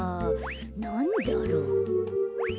なんだろう？